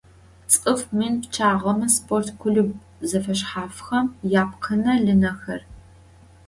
ЦӀыф мин пчъагъэмэ спорт клуб зэфэшъхьафхэм япкъынэ-лынэхэр.